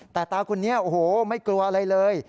แต่ตาคนนี้โอ้โหไม่กลัวอะไรเลย